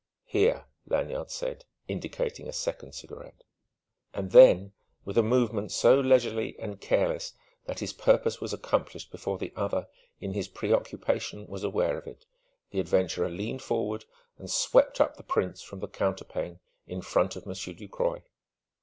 "Here," Lanyard said, indicating a second cigarette. And then, with a movement so leisurely and careless that his purpose was accomplished before the other in his preoccupation was aware of it, the adventurer leaned forward and swept up the prints from the counterpane in front of Monsieur Ducroy.